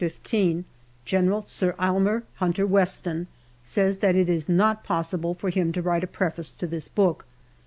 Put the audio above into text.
15 General Sir Aylmer Hunter Weston says that it is not possible for him to write a Preface to this book.